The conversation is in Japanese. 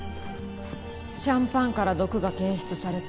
シャンパンから毒が検出された。